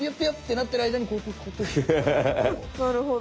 なるほど。